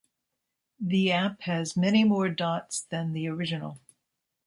The app has many more dots than the original.